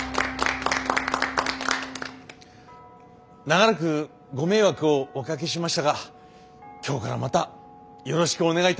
・長らくご迷惑をおかけしましたが今日からまたよろしくお願いいたします。